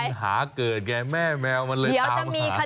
ปัญหาเกิดไงแม่แมวมันเลยตามหา